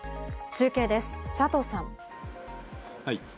中継です、佐藤さん。